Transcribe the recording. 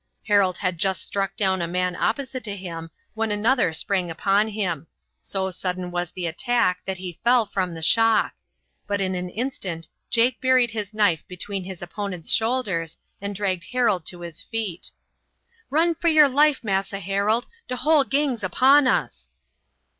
Harold had just struck down a man opposite to him when another sprang upon him; so sudden was the attack that he fell from the shock. But in an instant Jake buried his knife between his opponent's shoulders and dragged Harold to his feet. "Run for your life, Massa Harold. De whole gang's upon us!"